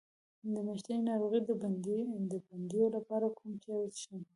د میاشتنۍ ناروغۍ د بندیدو لپاره کوم چای وڅښم؟